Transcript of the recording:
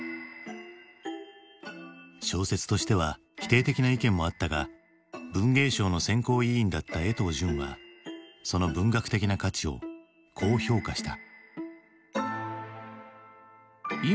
小説としては否定的な意見もあったが文藝賞の選考委員だった江藤淳はその文学的な価値をこう評価した。